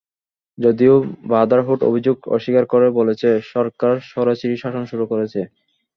যদিও ব্রাদারহুড অভিযোগ অস্বীকার করে বলেছে, সরকার স্বৈরাচারী শাসন শুরু করেছে।